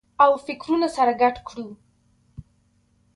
او فکرونه سره ګډ کړو